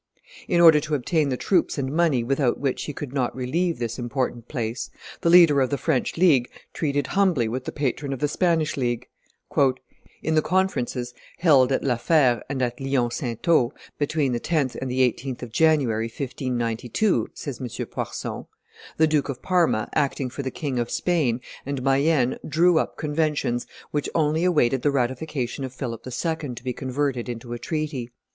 In order to obtain the troops and money without which he could not relieve this important place, the leader of the French League treated humbly with the patron of the Spanish League. "In the conferences held at La Fere and at Lihom Saintot, between the 10th and the 18th of January, 1592," says M. Poirson, "the Duke of Parma, acting for the King of Spain, and Mayenne drew up conventions which only awaited. the ratification of Philip II. to be converted into a treaty.